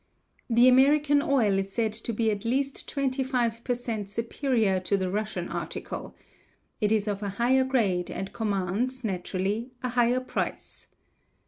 The American oil is said to be at least twenty five per cent. superior to the Russian article. It is of a higher grade and commands, naturally, a higher price.